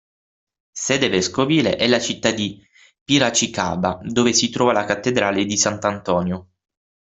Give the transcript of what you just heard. Sede vescovile è la città di Piracicaba, dove si trova la cattedrale di Sant'Antonio.